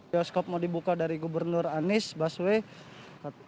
bioskop mau dibuka dari gubernur anies baswedan